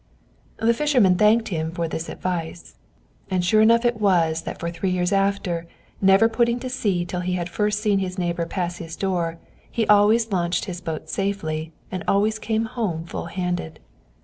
The fisherman thanked him for this advice; and sure enough it was that for three years afterward, never putting to sea till he had first seen his neighbor pass his door, he always launched his boat safely, and always came home full handed.